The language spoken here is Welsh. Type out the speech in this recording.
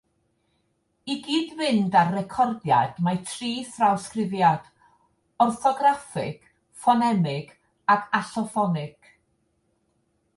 I gyd-fynd â'r recordiad mae tri thrawsgrifiad: orthograffig, ffonemig ac alloffonig.